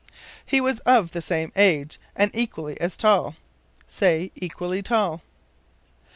"He was of the same age, and equally as tall." Say, equally tall.